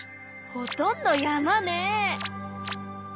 ほとんど山ね！